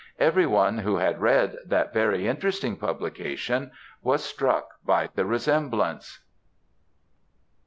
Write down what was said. Every one who had read that very interesting publication was struck by the resemblance.